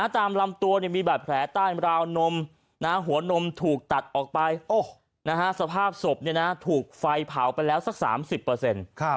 ตามลำตัวมีแบบแผลต้านราวนมหัวนมถูกตัดออกไปสภาพศพถูกไฟเผาไปแล้วสัก๓๐